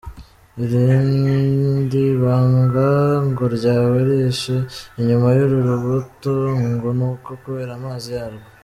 Irindi banga ngo ryaba ryihishe inyuma y’uru rubuto ngo nuko kubera amazi yarwo.